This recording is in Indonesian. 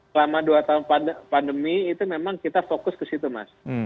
selama dua tahun pandemi itu memang kita fokus ke situ mas